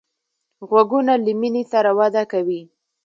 غوږونه له مینې سره وده کوي